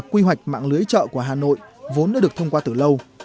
quy hoạch mạng lưới chợ của hà nội vốn đã được thông qua từ lâu